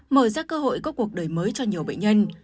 mở ra cơ hội có cuộc đời mới cho nhiều bệnh nhân